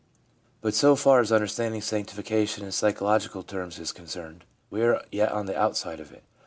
But so far as understanding sanctification in psycho logical terms is concerned, we are yet on the outside of it.